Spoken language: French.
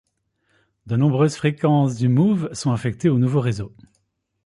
De nombreuses fréquences du Mouv' sont affectées au nouveau réseau.